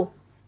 đạt đưa tay đỡ